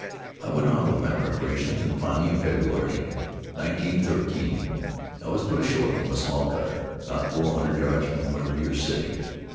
I went on with my preparations, and finally, in February, nineteen thirteen, I was put ashore from a small cutter, not four hundred yards from where we are sitting.